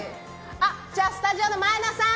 じゃあスタジオの前田さん